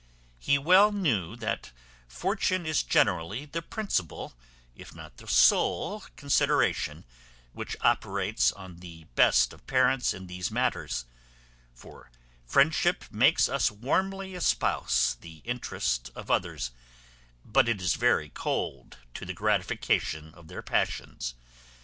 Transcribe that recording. He well knew that fortune is generally the principal, if not the sole, consideration, which operates on the best of parents in these matters: for friendship makes us warmly espouse the interest of others; but it is very cold to the gratification of their passions.